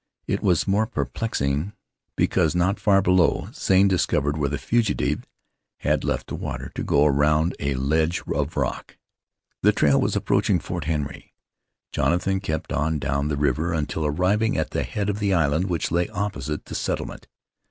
It was more perplexing because not far below Zane discovered where the fugitive had left the water to get around a ledge of rock. The trail was approaching Fort Henry. Jonathan kept on down the river until arriving at the head of the island which lay opposite the settlement.